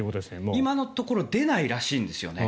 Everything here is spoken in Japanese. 今のところ出ないらしいんですよね。